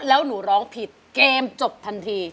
แล้วหนูร้องผิดเกมจบทันที